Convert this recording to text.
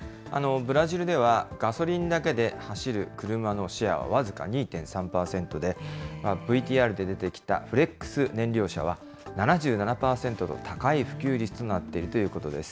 ブラジルでは、ガソリンだけで走る車のシェアは僅か２．３％で、ＶＴＲで出てきたフレックス燃料車は７７％と、高い普及率となっているということです。